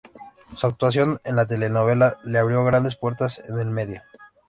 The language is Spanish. Su actuación en la telenovela le abrió grandes puertas en el medio.